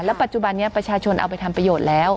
ปัจจุบันนี้ประชาชนเอาไปทำประโยชน์แล้ว